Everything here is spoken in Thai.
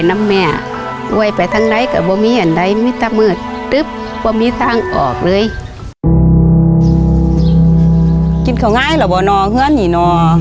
น้องมองมาชอบว่าเจ้าอย่าง